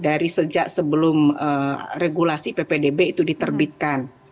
dari sejak sebelum regulasi ppdb itu diterbitkan